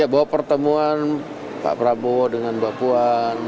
bahwa pertemuan pak prabowo dengan bapuan